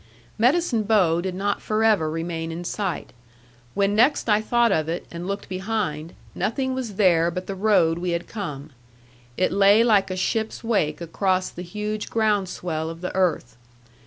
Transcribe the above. Medicine Bow did not forever remain in sight. When next I thought of it and looked behind, nothing was there but the road we had come; it lay like a ship's wake across the huge ground swell of the earth.